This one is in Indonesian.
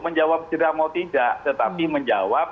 menjawab jerah mau tidak tetapi menjawab